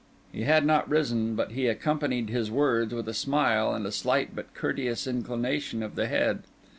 He had not risen, but he accompanied his words with a smile and a slight but courteous inclination of the head.